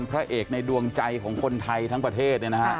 พระเอกในดวงใจของคนไทยทั้งประเทศ